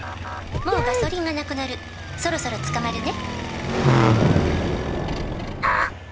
「もうガソリンがなくなるそろそろ捕まるね」